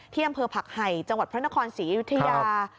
อำเภอผักไห่จังหวัดพระนครศรีอยุธยา